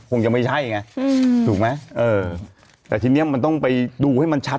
คงจะไม่ใช่ไงอืมถูกไหมเออแต่ทีเนี้ยมันต้องไปดูให้มันชัด